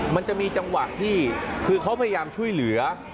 มันจะมีจังหวะที่คือเขาพยายามช่วยเหลือ